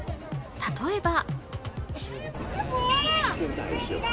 例えば。